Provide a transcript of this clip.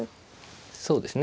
そうですね